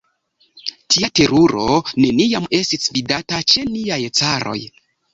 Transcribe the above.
Tia teruro neniam estis vidata ĉe niaj caroj!